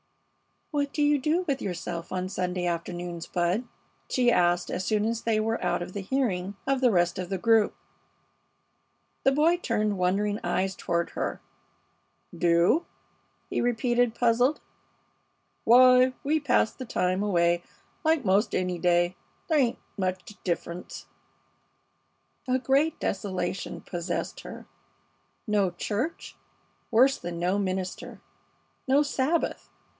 "What do you do with yourself on Sunday afternoons, Bud?" she asked, as soon as they were out of hearing of the rest of the group. The boy turned wondering eyes toward her. "Do?" he repeated, puzzled. "Why, we pass the time away, like 'most any day. There ain't much difference." A great desolation possessed her. No church! Worse than no minister! No Sabbath!